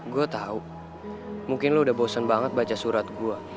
gue tau mungkin lo udah bosen banget baca surat gue